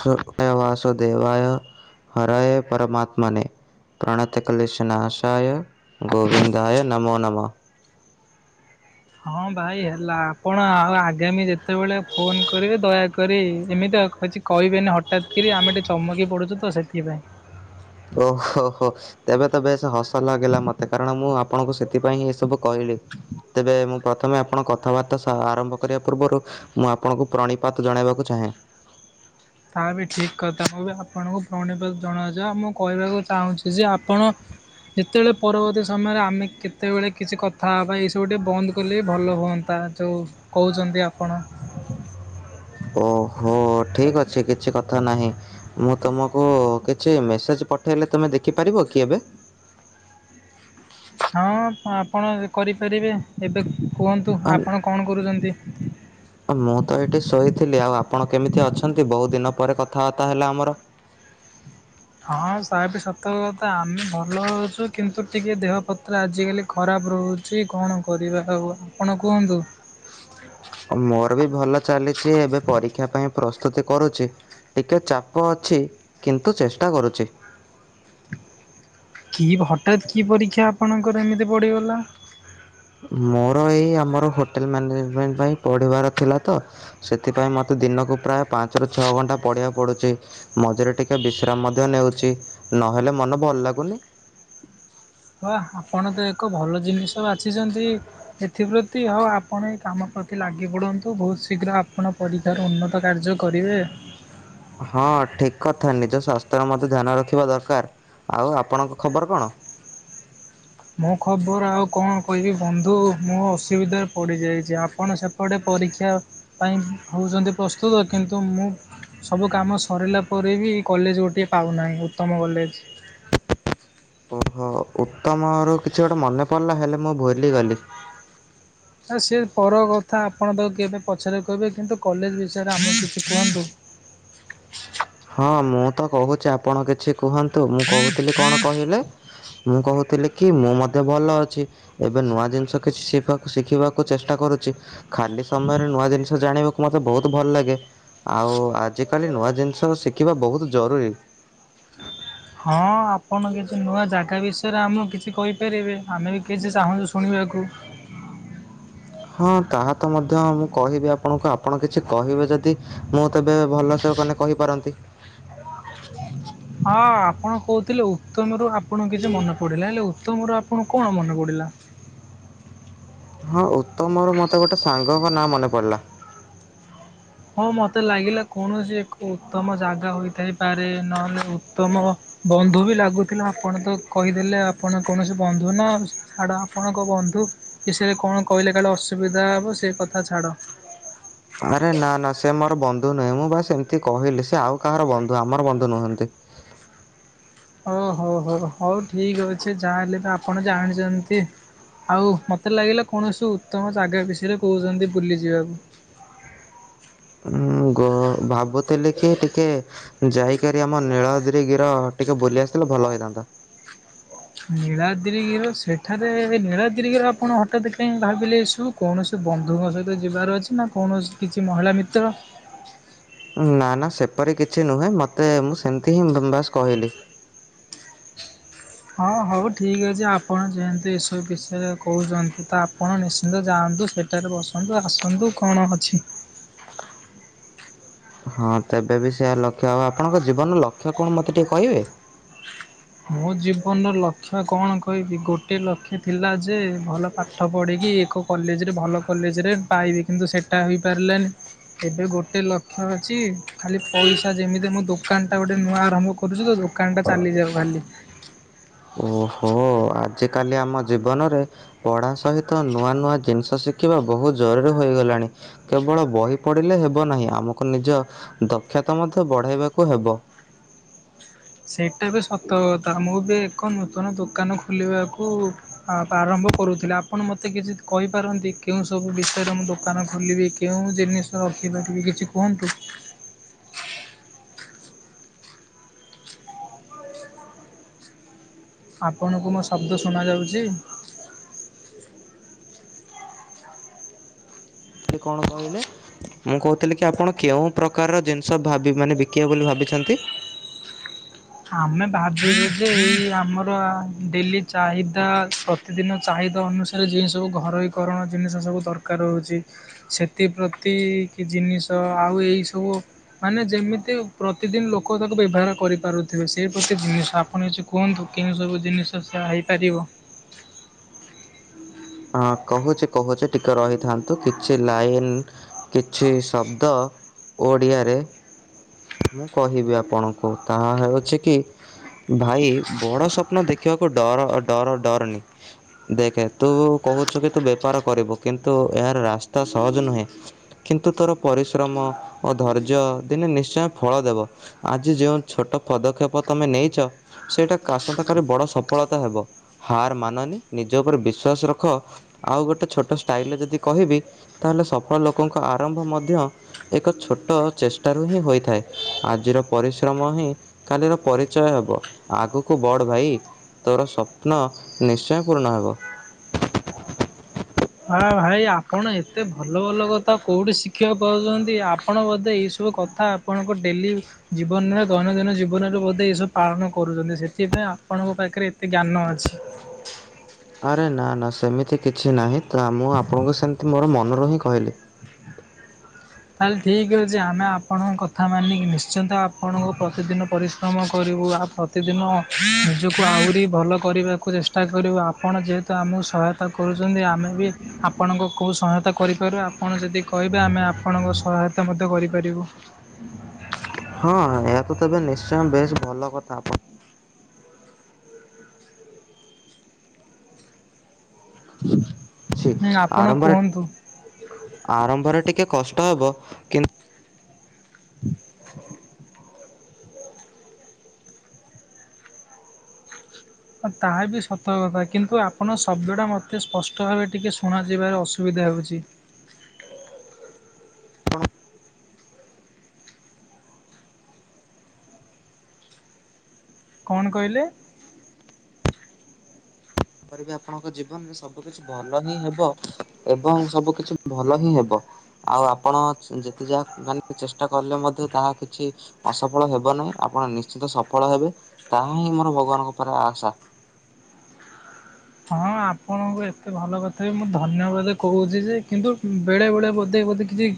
ସ ଦେ ୟ ହରାୟ ପରମାତ୍ମନେ ପ୍ରଣତକଲିଶନାଶୟ ଗୋବିନ୍ନ୍ଦୟ ନମୋ ନମ ହଁ ଭାଇ ହେଲା ଆପଣ ଆଉ ଆଗାମୀ ଯେତେବେଳେ ଫୋନ କରିବେ ଦୟାକରି ଏମିତି କିଛି କହିବେନି ହଠାତ୍ କରି ଆମେ ଟିକେ ଚମକି ପଡୁଛୁ ତ ସେଥିପାଇଁ ଓହୋହୋ ତେବେ ତ ବେଶ ହସ ଲାଗିଲା ମତେ କାରଣ ମୁଁ ଆପଣଙ୍କୁ ସେଥିପାଇଁଁ ଏସବୁ କହିଲି ତେବେ ମୁଁ ପ୍ରଥମେ ଆପଣ କଥାବାର୍ତ୍ତା ଆରମ୍ଭ କରିବା ପୂର୍ବରୁ ମୁଁ ଆପଣଙ୍କୁ ପ୍ରଣୀପାତ ଜଣେଇବାକୁ ଚାହେଁ ତା ବି ଠିକ୍ କଥା ମୁଁ ବି ଆପଣଙ୍କୁ ପୁଣ ଜଣାଯାଉ ମୁଁ କହିବାକୁ ଚାହୁଁଛି ଯେ ଆପଣ ଯେତେବେଳେ ପରବର୍ତ୍ତୀ ସମୟରେ ଆମେ କେତେବେଳେ କିଛି କଥା ହେବା ଏଇସବୁ ଟିକେ ବନ୍ଦ କଲେ ବି ଭଲ ହୁଅନ୍ତା ଯେଉଁ କହୁଛନ୍ତି ଆପଣ ଓହୋ ଠିକ ଅଛି କିଛି କଥା ନାହିଁ ମୁଁ ତମକୁ କିଛି ମେସେଜ ପଠେଇଲେ ତମେ ଦେଖିପାରିବ କି ଏବେ ହଁ ଆପଣ କରିପାରିବେ ଏବେ କୁହନ୍ତୁ ଆପଣ କଣ କରୁଛନ୍ତି? ମୁଁ ତ ଏଇଠି ଶୋଇଥିଲି ଆଉ ଆପଣ କେମିତି ଅଛନ୍ତି ବହୁ ଦିନ ପରେ କଥାବାର୍ତ୍ତା ହେଲା ଆମର ହଁ ସ ବି ସତକ କଥା ଆମେ ଭଲ ହଉଛୁ କିନ୍ତୁ ଟିକେ ଦେହ ପତ୍ର ଆଜିକାଲି ଖରାପ ରହୁଛି କଣ କରିବା ଆଉ ଆପଣ କୁହନ୍ତୁ ମୋର ବି ଭଲ ଚାଲିଛି ଏବେ ପରୀକ୍ଷା ପାଇଁ ପ୍ରସ୍ତୁତି କରୁଛି ଟିକେ ଚାପ ଅଛି କିନ୍ତୁ ଚେଷ୍ଟା କରୁଛି କି ହଠାତ୍ କି ପରୀକ୍ଷା ଆପଣଙ୍କର ଏମିତି ପଡ଼ିଗଲା ମୋର ଏଇ ଆମର ହୋଟେଲ ମ୍ୟାନେଜମେଣ୍ଟ ପାଇଁ ପଢିବାର ଥିଲା ତ ସେଥିପାଇଁ ମତେ ଦିନକୁ ପ୍ରାୟ ପାଞ୍ଚରୁୁ ଛଅ ଘଣ୍ଟା ପଢିବାକୁ ପଡୁଛି ମଝିରେ ଟିକେ ବିଶ୍ରାମ ମଧ୍ୟ ନେଉଛି ନହେଲେ ମନ ଭଲ ଲାଗୁନି ହଁ ଆପଣ ତ ଏକ ଭଲ ଜିନିଷ ବାଛିଛନ୍ତି ଏଥିପ୍ରତି ହଉ ଆପଣ ଏ କାମ ପ୍ରତି ଲାଗିପଡ଼ନ୍ତୁ ବହୁତ ଶୀଘ୍ର ଆପଣ ପରୀକ୍ଷାର ଉନ୍ନତ କାର୍ଯ୍ୟ କରିବେ ହଁ ଠିକ କଥା ନିଜ ସ୍ୱାସ୍ଥ୍ୟର ମତେ ଧ୍ୟାନ ରଖିବା ଦରକାର ଆଉ ଆପଣଙ୍କ ଖବର କଣ ମୁଁ ଖବର ଆଉ କଣ କହିବି ବନ୍ଧୁ ମୋ ଅସୁବିଧାରେ ପଡିଯାଇଛି ଆପଣ ସେପଟେ ପରୀକ୍ଷା ପାଇଁ ହଉଛନ୍ତି ପ୍ରସ୍ତୁତ କିନ୍ତୁ ମୁଁ ସବୁ କାମ ସରିଲା ପରେ ବି କଲେଜ ଗୋଟିଏ ପାଉନାହିଁ ଉତ୍ତମ କଲେଜ ଓହୋ ଉତ୍ତମ ର କିଛି ଗୋଟେ ମନେ ପଡିଲା ହେଲେ ମୁଁ ଭୁଲି ଗଲି ଆ ସେ ପର କଥା ଆପଣ ତାକୁ କେବେ ପଛରେ କହିବେ କିନ୍ତୁ କଲେଜ ବିଷୟରେ ଆମକୁ କିଛି କୁହନ୍ତୁ ହଁ ମୁଁ ତ କହୁଛି ଆପଣ କିଛି କୁହନ୍ତୁ ମୁଁ କହୁଥିଲି କଣ କହିଲେ ମୁଁ କହୁଥିଲି କି ମୁଁ ମଧ୍ୟେ ଭଲ ଅଛି ଏବେ ନୂଆ ଜିନିଷ କିଛି ଶିଖକୁ ଶିଖିବାକୁ ଚେଷ୍ଟା କରୁଛି ଖାଲି ସମୟରେ ନୂଆ ଜିନିଷ ଜାଣିବା। ମତେ ବହୁତ ଭଲ ଲାଗେ ଆଉ ଆଜି କାଲି ନୂଆ ଜିନିଷ ଶିଖିବା ବହୁତ ଜରୁରୀ। ହଁ ଆପଣ କିଛି ନୂଆ ଜାଗା ବିଷୟରେ ଆମକୁ କିଛି କହିପାରିବେ ଆମେ ବି କିଛି ଚାହୁଁଛୁ ଶୁଣିବାକୁ ହଁ ତାହା ତ ମଧ୍ୟ ମୁଁ କହିବି ଆପଣଙ୍କୁ ଆପଣ କିଛି କହିବେ ଯଦି ମୁଁ ତେବେ ଭଲସେ କହିପାରନ୍ତି। ହଁ ଆପଣ କହୁଥିଲେ ଉତ୍ତମରୁ ଆପଣଙ୍କୁ କିଛି ମନେ ପଡିଲା ହେଲେ ଉତ୍ତମର ଆୁଣ କଣ ମନେ ପଡ଼ିଲା। ହଁ ଉତ୍ତମର ମତେ ଗୋଟେ ସାଙ୍ଗଙ୍କ ନାଁ ମନେ ପଡିଲା। ହଁ ମୋତେ ଲାଗିଲା କୌଣସି ଏକ ଉତ୍ତମ ଜାଗା ହୋଇଥାଇପାରେ ନହେଲେ ଉତ୍ତମ ବନ୍ଧୁ ବି ଲାଗୁଥିଲା ଆପଣ ତ କହିଦେଲେ ଆପଣ କୌଣସି ବନ୍ଧୁ ନା ଛାଡ଼ ଆପଣଙ୍କ ବନ୍ଧୁ ବିଷୟରେ କଣ କହିଲେ କାଲି ଅସୁବିଧା ହେବ ସେ କଥା ଛାଡ଼ ଆରେ ନା ନା ସେ ମୋର ବନ୍ଧୁ ନୁହେଁ ମୁଁ ବାସ ଏମିତି କହିଲି ସେ ଆଉ କାହାର ବନ୍ଧୁ ଆମର ବନ୍ଧୁ ନୁହନ୍ତି। ହ ହଉ ହଉ ହଉ ଠିକ୍ ଅଛି ଯାହା ହେଲେ ବି ଆପଣ ଜାଣିଛନ୍ତି ଆଉ ମୋତେ ଲାଗିଲା କୌଣସି ଉତ୍ତମ ଜାଗା ବିଷୟରେ କହୁଛନ୍ତି ବୁଲିଯିବାକୁ। ଉୁଁ ଗ ଭାବତ ତେ ଲେଖି ଟିକେ ଯାଇକରି ଆମ ନୀଳଦି ଗିର ଟିକେ ବୁଲି ଆସିଥିଲେ ଭଲ ହେଇଥାନ୍ତା। ନୀଳଦି ଘିର ସେଠାରେ ନୀଳଦି ଘିର ଆପଣ ହଠତ୍ ଭାବିଲେ ଏ ସବୁ କୌଣସି ବନ୍ଧୁଙ୍କ ସହିତ ଯିବାର ଅଛି ନା କୌଣସି କିଛି ମହିଳା ମିତ୍ର ନା ନା ସେପରି କିଛି ନୁହେଁ ମତେ ମୁଁ ସେମତି ହିଁ ବାସ୍ କହିଲି। ହଁ ହଉ ଠିକ୍ ଅଛି ଆପଣ ଯେହେତୁ ଏସବୁ ବିଷୟରେ କହୁଛନ୍ତି ତ ଆପଣ ନିଶ୍ଚିନ୍ତ ଯାଆନ୍ତୁ ସେଠାରେ ବସନ୍ତୁ ଆସନ୍ତୁ କଣ ଅଛି। ହଁ ତେବେ ବି ସେଆ ଲକ୍ଷ୍ୟ ହ ଆପଣଙ୍କ ଜୀବନର ଲକ୍ଷ୍ୟ କଣ ମତେ ଟିକେ କହିବେ। ମୋ ଜୀବନର ଲକ୍ଷ୍ୟ କଣ କହିବି ଗୋଟେ ଲକ୍ଷ୍ୟ ଥିଲା ଯେ ଭଲ ପାଠ ପଢ଼ିକି ଏକ କଲେଜରେ ଭଲ କଲେଜରେ ପାଇବି କିନ୍ତୁ ସେଇଟା ହେଇପାରିଲାନି ଏବେ ଗୋଟେ ଲକ୍ଷ୍ୟ ଅଛି। ଖାଲି ପଇସା ଯେମିତି ମୁଁ ଦ ଦୋକାନ ଟା ଗୋେ ନୂଆ ଆରଭ କରୁଛୁ ତ। ଦୋକାନଟା ଚାଲିଯାଉ। କଲି। ଓହୋ ଆଜିକାଲି ଆମ ଜୀବନରେ ପଢା ସହିତ ନୂଆ ନୂଆ ଜିନିଷ ଶିଖିବା ବହୁତ ଜରୁରୀ ହୋଇଗଲାଣି କେବଳ ବହି ପଢିଲେ ହେବ ନାହିଁ ଆମକୁ ନିଜ ଦକ୍ଷତା ମଧ୍ୟ ବଢେଇବାକୁ ହେବ। ସେଇଟା ବି ସତକଥା ମୁଁ ବି ଏକ ନୂତନ ଦୋକାନ ଖୋଲିବାକୁ ଆରମ୍ଭ କରୁଥିଲି ଆପଣ ମତେ କିଛି କହିପାରନ୍ତି କେଉଁ ସବୁ ବିଷୟରେ ମୁଁ ଦୋକାନ ଖୋଲିବି କେଉଁ ଜିନିଷ ରଖିପାରିବି କିଛି କୁହନ୍ତୁ। ଆପଣଙ୍କୁ ମୋ ଶବ୍ଦ ଶୁଣ ଯାଉଛି। ସେ କଣ କହିଲେ ମୁଁ କହୁଥିଲି କି ଆପଣ କେଉଁ ପ୍ରକାରର ଜିନିଷ ଭାବ ମାନେ ବିକିବେ ବୋଲି ଭାବିଛନ୍ତି। ଆମେ ଭାବିଲୁ ଯେ ଏଇ ଆମର ଡେଲି ଚାହିଦା ପ୍ରତିଦିନ ଚାହିଦା ଅନୁସାରେ ଯେଉଁ ସବୁ ଘରୋଇକରଣ ଜିନିଷ ସବୁ ଦରକାର ହେଉଛି ସେଥିପ୍ରତି କି ଜିନିଷ ଆଉ ଏଇସବୁ ମାନେ ଯେମିତି ପ୍ରତିଦିନ ଲୋକ ତାକୁ ବ୍ୟବହାର କରିପାରୁ। ତେବେ ସେ ପ୍ରତି ଜିନିଷ ଆପଣ ଏଛି କୁହନ୍ତୁ କେଉଁ ସବୁ ଜିନିଷ ସେ ହେଇପାରିବ। ହଁ କହୁଛି କହୁଛି ଟିକେ ରହିଥାନ୍ତୁ କିଛି ଲାଇନ କିଛି ଶବ୍ଦ ଓଡ଼ିଆରେ ମୁଁ କହିବି ଆପଣଙ୍କୁ ତାହା ହେଉଛି କି ଭାଇ ବଡ ସ୍ୱପ୍ନ ଦେଖିବାକୁ ଡର ଡର ଡରନି ଦେଖେ। ତୁ କହୁଛୁ କି ତୁ ବେପାର କରିବୁ କିନ୍ତୁ ଏହାର ରାସ୍ତା ସହଜ ନୁହେଁ କିନ୍ତୁ ତୋର ପରିଶ୍ରମ ଓ ଧୈର୍ଯ୍ୟ ଦିନେ ନିଶ୍ଚୟ ଫଳ ଦେବ ଆଜି ଯେଉଁ ଛୋଟ ପଦକ୍ଷେପ ତମେ ନେଇଛ ସେଇଟା ଆସନ୍ତାକାଲି ବଡ଼ ସଫଳତା ହେବ ହାର ମାନନି ନିଜ ଉପରେ ବି। ବିଶ୍ୱଵାସ ରଖ ଆଉ ଗୋଟେ ଛୋଟ ଷ୍ଟାଇଲ ଯଦି କହିବି ତାହେଲେ ସଫଳ ଲୋକଙ୍କ ଆରମ୍ଭ ମଧ୍ୟ ଏକ ଛୋଟ ଚେଷ୍ଟାରୁ ହିଁ ହୋଇଥାଏ ଆଜିର ପରିଶ୍ରମ ହିଁ କାଲିର ପରିଚୟ ହେବ ଆଗକୁ ବଡ଼ ଭାଇ ତୋର ସ୍ୱପ୍ନ ନିଶ୍ଚୟ ପୂରଣ ହେବ। ହଁ ଭାଇ ଆପଣ ଏତେ ଭଲ ଭଲ କଥା କେଉଠି ଶି୍ଖିବାକୁ ପାଉଛନ୍ତି ଆପଣ ବୋଧେ ଏଇ ସବୁ କଥା ଆପଣଙ୍କ ଡେଲି ଜୀବନରେ ଦୈନନ୍ଦିନ ଜୀବନରେ ବୋଧେ ଏସବୁ ପାଳନ କରୁଛନ୍ତି ସେଥିପାଇଁ ଆପଣଙ୍କ ପାଖରେ ଏତେ ଜ୍ଞାନ ଅଛି। ଆରେ ନା ନା ସେମିତି କିଛି ନାହିଁ ତ ମୁଁ ଆପଣଙ୍କୁ ସେମତି ମୋର ମନରୁ ହିଁ କହିଲି। ତାହେଲେ ଠିକ ଯେ ଆମେ ଆପଣଙ୍କ କଥା ମାନିକି ନିଶ୍ଚିନ୍ତ ଆପଣଙ୍କୁ ପ୍ରତିଦିନ ପରିଶ୍ରମ କରିବୁ ଆଉ ପ୍ରତିଦିନ ନିଜକୁ ଆହୁରି ଭଲ କରିବାକୁ ଚେଷ୍ଟା କରିବୁ ଆପଣ ଯେହେତୁ ଆମକୁ ସହାୟତା କରୁ। ଆମେ ବି ଆପଣଙ୍କ କଉ ସୟ କରିପାରୁ ଆପଣ ଯଦି କହିବେ ଆମେ ଆପଣଙ୍କ ସହାୟତା ମଧ୍ୟ କରିପାରିବୁ। ହଁ ଏହା ତ ତବେ ନିଶ୍ଚୟ ବେଶ ଭଲ କଥା ଆପଣ ଅଛି ଆପଣ ଆରମ୍ଭରେ କୁହନ୍ତୁ। ଆରମ୍ଭରେ ଟିକେ କଷ୍ଟ ହେବ କିନ୍ତୁ [unintelligible] ତାହା ବି ସତ କଥା କିନ୍ତୁ ଆପଣ ଶବ୍ଦଟା ମୋତେ ସ୍ପଷ୍ଟ ଭାବେ ଟିକେ ଶୁଣ ଯିବାର ଅସୁବିଧା ହେଉଛି [inaudible] କଣ କହିଲେ ସେପ ବି ଆପଣଙ୍କ ଜୀବନରେ ସବୁ କିଛି ଭଲ ହିଁ ହେବ ଏବଂ ସବୁ କିଛି ଭଲ ହିଁ ହେବ ଆଉ ଆପଣ ଯେତେ ଯାହା ମାନେ ଚେଷ୍ଟା କଲେ ମଧ୍ୟ ତାହା କିଛି ଅସଫଳ ହେବ ନାହିଁ ଆପଣ ନିଶ୍ଚିତ ସଫଳ ହେବେ ତାହା ହିଁ ମୋର ଭଗବାନଙ୍କ ଉପ ଆଶା ହଁ ଆପଣଙ୍କୁ ଏତେ ଭଲ କଥା ବି ମୁଁ ଧନ୍ୟବାଦ କହୁଛି ଯେ କିନ୍ତୁ ବେଳେ ବେଳେ ବୋଧେ ବୋଧେ କିଛି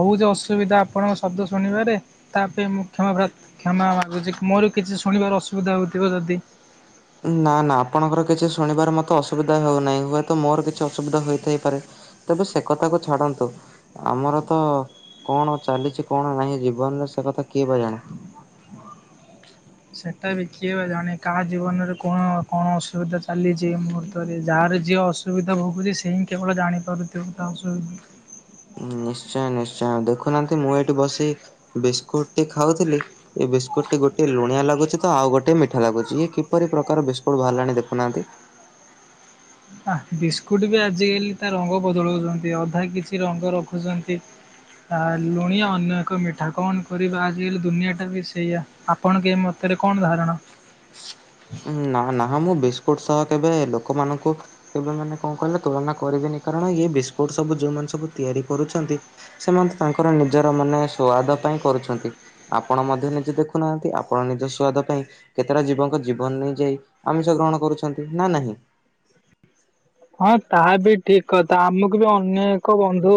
ହେଉଛି ଅସୁବିଧା ଆପଣଙ୍କ ଶବ୍ଦ ଶୁଣିବାରେ ତା ପାଇଁ ମୁଁ କ୍ଷମା କ୍ଷମା ମାଗୁଛି ମୋର କିଛି ଶୁଣିବାର ଅସୁବିଧା ହେଉଥିବ ଯଦି ନା ନା ଆପଣଙ୍କର କିଛି ଶୁଣିବାରେ ମତେ ଅସୁବିଧା ହଉନାହିଁ ହୁଏତ ମୋର କିଛି ଅସୁବିଧା ହେଥାଇପାରେ ତେବେ ସେ କଥାକୁ ଛାଡନ୍ତୁ ଆମର ତ କଣ ଚାଲିଛି କଣ ନାହିଁ ଜୀବନରେ ସେ କଥା କିଏ ବା ଜାଣେ ସେଇଟା ବି କିଏ ବା ଜାଣେ କାହା ଜୀବନରେ କଣ କଣ ଅସୁବିଧା ଚାଲିଛି ମୁହୂର୍ତ୍ତରେ ଯାହାର ଯିଏ ଅସୁବିଧା ଭୋଗୁଛି ସେ ହିଁ କେବଳ ଜାଣିପାରୁଥିବ ତା ଅସୁବିଧା ନିଶ୍ଚୟ ନିଶ୍ଚୟ ଦେଖୁନାହାନ୍ତି ମୁଁ ଏଇଠି ବସି ବିସ୍କୁଟ ଟି ଖାଉଥିଲି ଏ ବିସ୍କୁଟ ଟି ଗୋଟେ ଲୁଣିଆ ଲାଗୁଛି ତ ଆଉ ଗୋଟେ ମିଠା ଲାଗୁଛି ଇଏ କିପରି ପ୍ରକାର ବିସ୍କୁଟ ବାହାରିଲାଣି ଦେଖୁନାହାନ୍ତି। ବିସ୍କୁଟ ବି ଆଜିକାଲି ତା ରଙ୍ଗ ବଦଳାଉଛନ୍ତି ଅଧା କିଛି ରଙ୍ଗ ରଖୁଛନ୍ତି ଆ ଲୁଣିଆ ଅନ୍ୟ ଏକ ମିଠା କଣ କରିବା ଆଜିକାଲି ଦୁନିଆ ଟା ବି ସେଇଆ ଆପଣଙ୍କ ମତରେ କଣ ଧାରଣା? ନାଁ ନାଁ ମୁଁ ବି ବିସ୍କୁଟ ସହ କେବେ ଲୋକମାନଙ୍କୁ କେବେ ମାନେ କଣ କହିଲ ତୁଳନା କରିବେନି କାରଣ ଏଇ ବିସ୍କୁଟ ସବୁ ଯୋଉମାନେ ସବୁ ତିଆରି କରୁଛନ୍ତି ସେମାନେ ତାଙ୍କର ନିଜର ମାନେ ସୁଆଦ ପାଇଁ କରୁଛନ୍ତି ଆପଣ ମଧ୍ୟ ନିଜେ ଦେଖୁନାହାନ୍ତି ଆପଣ ନିଜ ସୁଆଦ ପାଇଁ କେତେଟା ଜୀବଙ୍କ ଜୀବନ ନେଇ ଯାଇ ଆମିଷ ଗ୍ରହଣ କରୁଛନ୍ତି ନା ନାହିଁ? ହଁ ତାହା ବି ଠିକ କଥା ଆମକୁ ବି ଅନେକ ବନ୍ଧୁ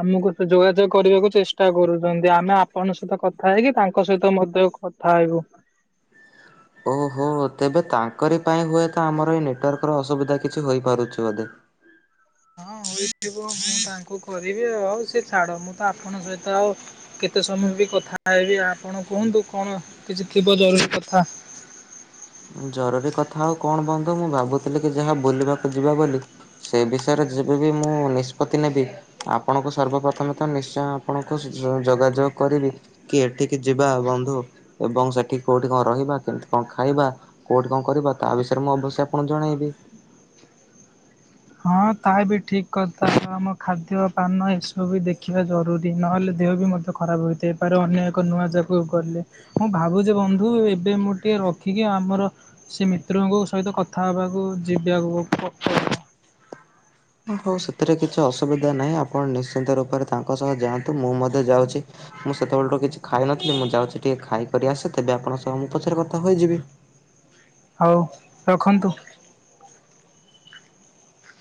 ଆମକୁ ଯୋଗାଯୋଗ କରିବାକୁ ଚେଷ୍ଟା କରୁଛନ୍ତି ଆମେ ଆପଣଙ୍କ ସହିତ କଥା ହେଇକି ତାଙ୍କ ସହିତ ମଧ୍ୟ କଥା ହେବୁ। ଓହୋ ତେବେ ତାଙ୍କରି ପାଇଁ ହୁଏତ ଆମର ଏଇ ନେଟୱାର୍କ ର ଅସୁବିଧା କିଛି ହେପାରୁଛି ବୋଧେ। ହଁ ହୋଇଥିବ ମୁଁ ତାଙ୍କୁ କରିବି ଆଉ ସେ ଛାଡ ମୁଁ ତ ଆପଣଙ୍କ ସହିତ ଆଉ କେତେ ସମୟ ବି କଥା ହେବି ଆପଣ କୁହନ୍ତୁ କଣ କିଛି ଥିବ ଜରୁରୀ କଥା ଜରୁରୀ କଥା ଆଉ କଣ ବନ୍ଧୁ ମୁଁ ଭାବୁଥିଲି କି ଯାହା ବୁଲିବାକୁ ଯିବା ବୋଲି ସେ ବିଷୟରେ ଯେବେ ବି ମୁଁ ନିଷ୍ପତ୍ତି ନେବି ଆପଣଙ୍କୁ ସର୍ବପ୍ରଥମେ ତ ନିଶ୍ଚୟ ଆପଣଙ୍କୁ ଯୋଗାଯୋଗ କରିବି କି ଏଠିକି ଯିବା ବନ୍ଧୁ ଏବଂ ସେଠି କୋଉଠି କଣ ରହିବା କେମିତି କଣ ଖାଇବା। କୋଉଠି କଣ କରିବା ତା ବିଷୟରେ ମୁଁ ଅବଶ୍ୟ ଆପଣଙ୍କୁ ଜଣେଇବି। ହଁ ତାହା ବି ଠିକ୍ କଥା ଆମ ଖାଦ୍ୟ ପାନ ଏସବୁ ବି ଦେଖିବା ଜରୁରୀ ନହେଲେ ଦେହ ବି ମଧ୍ୟ ଖରାପ ହୋଇଥାଇପାରେ ଅନ୍ୟ ଏକ ନୂଆ ଯାଗାକୁ ଗଲେ ମୁଁ ଭାବୁଛି ବନ୍ଧୁ ଏବେ ମୁଁ ଟିକେ ରଖିକି ଆମର ସେ ମିତ୍ରଙ୍କ ସହିତ କଥା ହେବାକୁ ଯିବାକୁ ପଡିବ ହଉ ସେଥିରେ କିଛି ଅସୁବିଧା ନାହିଁ ଆପଣ ନିଶ୍ଚିନ୍ତ ରୂପରେ ତାଙ୍କ ସହ ଯାଆନ୍ତୁ ମୁଁ ମଧ୍ୟ ଯାଉଛି ମୁଁ ସେତେବେଳଠୁ କିଛି ଖାଇନଥିଲି ମୁଁ ଯାଉଛି ଟିକେ ଖାଇକରି ଆସେ ତେବେ ଆପଣଙ୍କ ସହ ମୁଁ ପଛରେ କଥା ହୋଇଯିବି। ହଉ ରଖନ୍ତୁ।